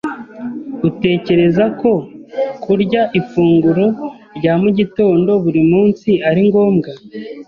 Utekereza ko kurya ifunguro rya mu gitondo buri munsi ari ngombwa?